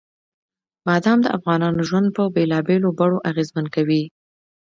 بادام د افغانانو ژوند په بېلابېلو بڼو اغېزمن کوي.